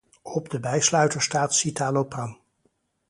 Op de bijsluiter staat citalopram.